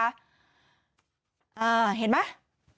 อ่าเห็นไหม